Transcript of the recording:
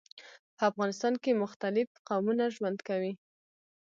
په افغانستان کي مختلیف قومونه ژوند کوي.